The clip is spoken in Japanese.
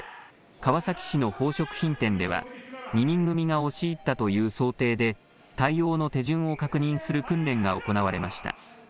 川崎市の宝飾品店では２人組が押し入ったという想定で対応の手順を確認する訓練が行われました。